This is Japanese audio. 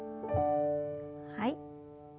はい。